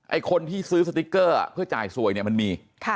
คนที่ซื้อสติ๊กเกอร์เพื่อจ่ายสวยเนี่ยมันมี